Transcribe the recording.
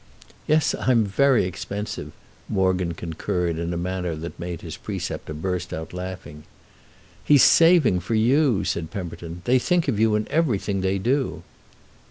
"Yes, I'm very expensive," Morgan concurred in a manner that made his preceptor burst out laughing. "He's saving for you," said Pemberton. "They think of you in everything they do."